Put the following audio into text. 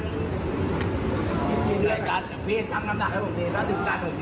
พี่เอามาเป็นสัตว์